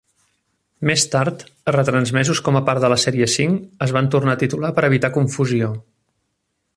Més tard, retransmesos com a part de la sèrie cinc, es van tornar a titular per evitar confusió.